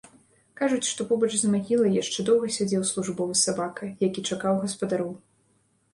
Кажуць, што побач з магілай яшчэ доўга сядзеў службовы сабака, які чакаў гаспадароў.